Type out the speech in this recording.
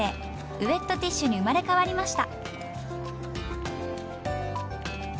ウエットティッシュに生まれ変わりました。